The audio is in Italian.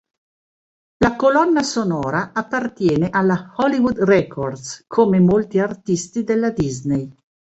La colonna sonora appartiene alla Hollywood Records come molti artisti della Disney.